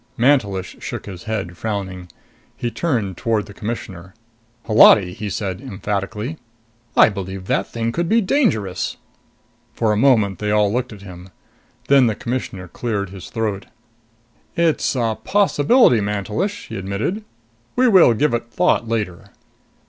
Mantelish shook his head, frowning. He turned toward the Commissioner. "Holati," he said emphatically, "I believe that thing could be dangerous!" For a moment, they all looked at him. Then the Commissioner cleared his throat. "It's a possibility, Mantelish," he admitted. "We will give it thought later."